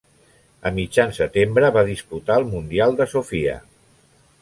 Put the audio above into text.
A mitjan setembre va disputar el Mundial de Sofia.